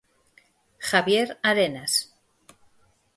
Javier Arenas.